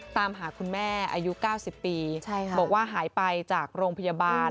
ตามหาคุณแม่อายุ๙๐ปีบอกว่าหายไปจากโรงพยาบาล